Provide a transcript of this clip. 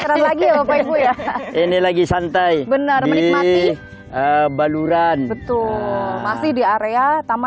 keras lagi bapak ibu ya ini lagi santai benar menikmati baluran betul masih di area taman